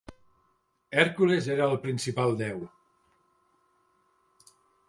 Hèrcules era el principal deu.